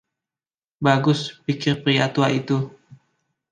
"Bagus," pikir pria tua itu.